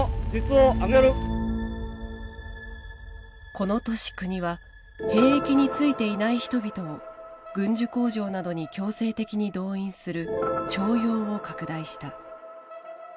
この年国は兵役についていない人々を軍需工場などに強制的に動員する「徴用」を拡大した。